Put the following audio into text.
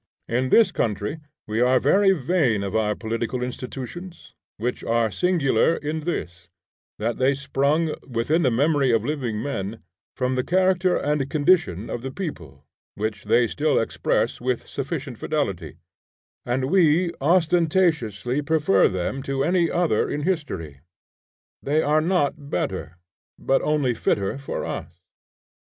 In this country we are very vain of our political institutions, which are singular in this, that they sprung, within the memory of living men, from the character and condition of the people, which they still express with sufficient fidelity, and we ostentatiously prefer them to any other in history. They are not better, but only fitter for us.